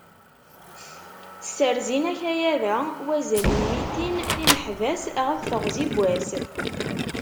Sserzin akayad-a wazal n mitin n yimeḥbas ɣef teɣzi n wass.